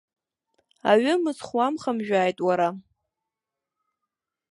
Аҩымцхә уамхамжәааит, уара!